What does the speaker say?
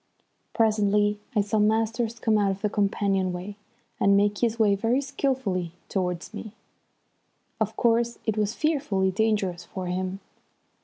Presently I saw Masters come out of the companion way and make his way very skilfully towards me. Of course it was fearfully dangerous for him.